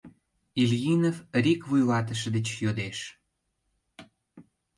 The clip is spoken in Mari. — Ильинов рик вуйлатыше деч йодеш.